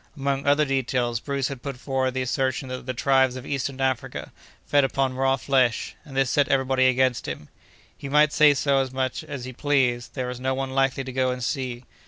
Among other details, Bruce had put forward the assertion that the tribes of Eastern Africa fed upon raw flesh, and this set everybody against him. He might say so as much as he pleased; there was no one likely to go and see!